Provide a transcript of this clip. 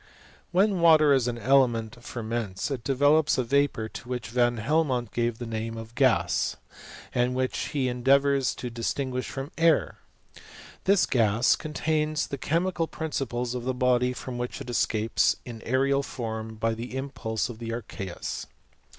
When water, as an element, ferments, it develops a vapour, to which Van Helmont gave the name of gasy and which he endeavours to distinguish from air. This gas contains the chemical principles of the body from which it escapes in an aerial form by the impulse of the archeus.